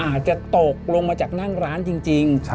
อาจจะตกลงมาจากนั่งร้านจริง